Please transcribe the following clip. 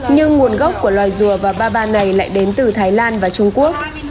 nhưng nguồn gốc của loài rùa và ba ban này lại đến từ thái lan và trung quốc